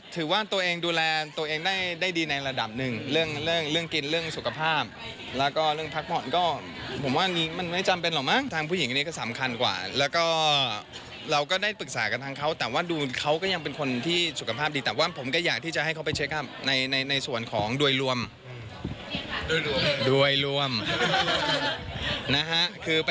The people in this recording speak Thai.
ถือว่าตัวเองดูแลตัวเองได้ดีในระดับหนึ่งเรื่องเรื่องกินเรื่องสุขภาพแล้วก็เรื่องพักผ่อนก็ผมว่ามันไม่จำเป็นหรอกมั้งทางผู้หญิงอันนี้ก็สำคัญกว่าแล้วก็เราก็ได้ปรึกษากับทางเขาแต่ว่าดูเขาก็ยังเป็นคนที่สุขภาพดีแต่ว่าผมก็อยากที่จะให้เขาไปเช็คในส่วนของโดยรวมโดยรวมนะฮะ